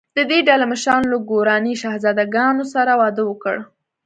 د دې ډلې مشرانو له ګوراني شهزادګانو سره واده وکړ.